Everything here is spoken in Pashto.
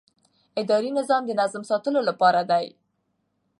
اداري نظام د نظم ساتلو لپاره دی.